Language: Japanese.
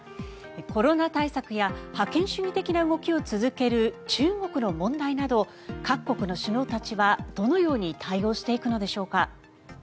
コロナ対策や覇権主義的な動きを続ける中国の問題など各国の首脳たちは、どのように対応していくのでしょうか。